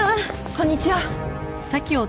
こんにちは。